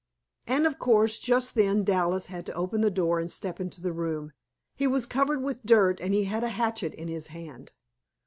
And, of course, just then Dallas had to open the door and step into the room. He was covered with dirt and he had a hatchet in his hand.